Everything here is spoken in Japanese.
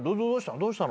どうしたの？」